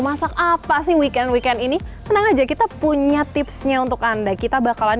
masak apa sih weekend weekend ini tenang aja kita punya tipsnya untuk anda kita bakalan